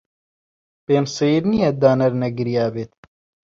پێم سەیر نییە دانەر نەگریابێت.